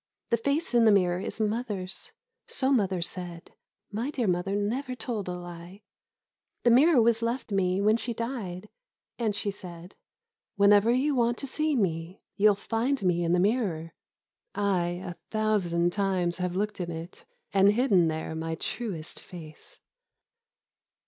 The face in the mirror is mother's, So mother said : My dear mother never told a lie. The mirror was left me When she died, and she said : The Face in the Mirror 65 " Whenever you want to see me. You'll find me in the mirror, I a thousand times have looked in it. And hidden there my truest face."